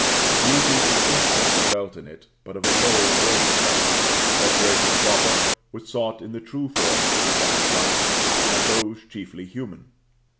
Beauty is instantly felt in it, but of a low order. The decoration proper was sought in the true forms of organic life, and those chiefly human.